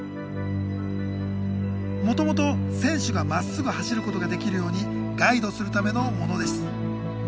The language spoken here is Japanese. もともと選手がまっすぐ走ることができるようにガイドするためのものです。